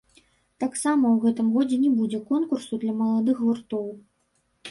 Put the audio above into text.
Таксама ў гэтым годзе не будзе конкурсу для маладых гуртоў.